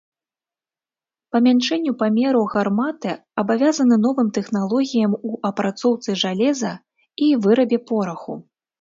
Памяншэнню памераў гарматы абавязаны новым тэхналогіям у апрацоўцы жалеза і вырабе пораху.